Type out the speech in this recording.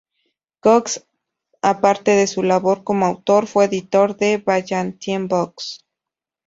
Cox, aparte de su labor como autor, fue editor de Ballantine Books.